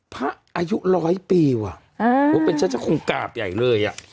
พ่ออายุ๑๐๐ปีเป็นเฉพาะของกางใหญ่เลย